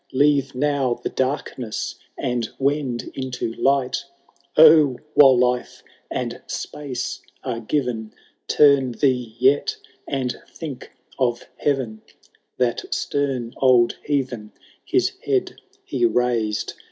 Leave noW the darkness, and wend into light : O ! while life and space are given. Turn thee yet, and think of Heaven !" That stern old heathen his head he raised.